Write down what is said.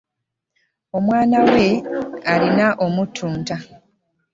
Omwana we alina omutunta.